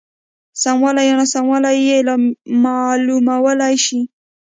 سموالی یا ناسموالی یې معلومولای شي.